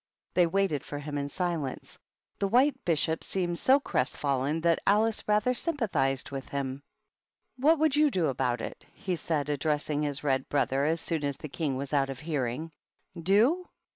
They waited for him in silence; the White Bishop seemed so crestfallen that Alice rather sympathized with him. " What would you do about it ?" he said, ad dressing his Red brother, as soon as the King was out of hearing. " Do